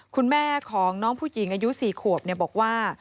คุณแม่ของน้องผู้หญิงอายุ๔ขวบบอกว่า